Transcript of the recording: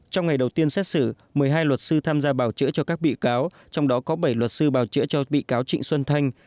trong ngày đầu tiên xét xử một mươi hai luật sư tham gia bảo chữa cho các bị cáo trong đó có bảy luật sư bào chữa cho bị cáo trịnh xuân thanh